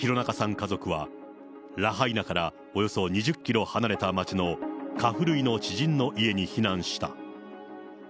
家族はラハイナからおよそ２０キロ離れた町のカフルイの知人の家に避難した。